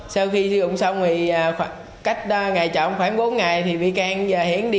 sau khi sử dụng xong cách ngày chọn khoảng bốn ngày